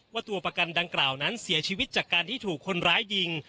ตัวประกันดังกล่าวนั้นเสียชีวิตจากการที่ถูกคนร้ายยิง